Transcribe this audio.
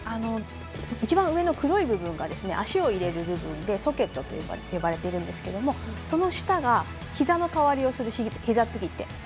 一番上の黒い部分が足を入れる部分で、ソケットと呼ばれているんですがその下が、ひざの代わりをするひざ継ぎ手。